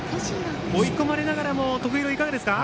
追い込まれながらも徳弘、いかがですか。